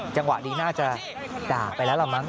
จังหวะนี้น่าจะด่าไปแล้วล่ะมั้ง